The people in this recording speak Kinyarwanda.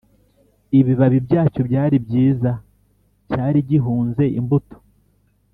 Ibibabi byacyo byari byiza cyari gihunze imbuto